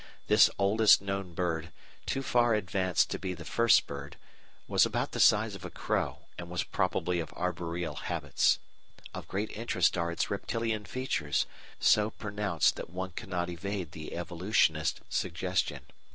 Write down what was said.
This oldest known bird too far advanced to be the first bird was about the size of a crow and was probably of arboreal habits. Of great interest are its reptilian features, so pronounced that one cannot evade the evolutionist suggestion.